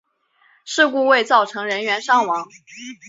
事故未造成人员伤亡。